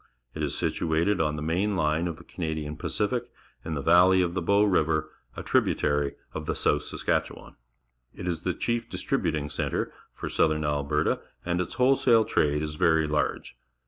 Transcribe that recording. It is situated on the main line of the Canadian Pacific, in the valley of the^^ ow Riv er, a tributary of the South Saskatchewan. It is the chief distri buting centre for southern Alberta, and its wholesale trade is verj large.